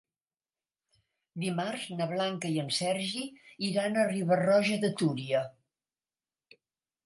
Dimarts na Blanca i en Sergi iran a Riba-roja de Túria.